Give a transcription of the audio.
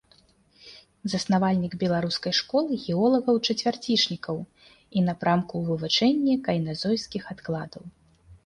Заснавальнік беларускай школы геолагаў-чацвярцічнікаў і напрамку ў вывучэнні кайназойскіх адкладаў.